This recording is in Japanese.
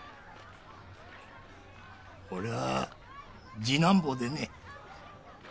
俺は次男坊でね。